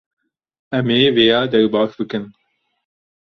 Em ê vêya derbas bikin.